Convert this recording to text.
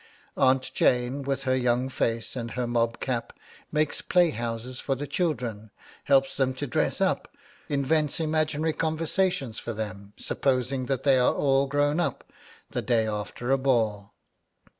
Aunt Jane, with her young face and her mob cap, makes play houses for the children, helps them to dress up, invents imaginary conversations for them, supposing that they are all grown up, the day after a ball.